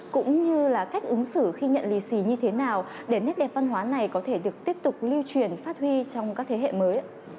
cũng như là cách ứng xử khi nhận lì xì như thế nào để nét đẹp văn hóa này có thể được tiếp tục lưu truyền phát huy trong các thế hệ mới